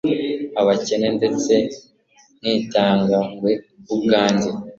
abakene ndetse nkitanga ngwe ubwange